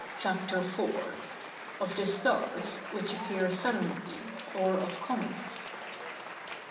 CHAPTER IV. OF THE STARS WHICH APPEAR SUDDENLY, OR OF COMETS.